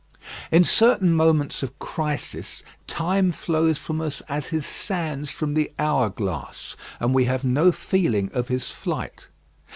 In certain moments of crisis, time flows from us as his sands from the hour glass, and we have no feeling of his flight.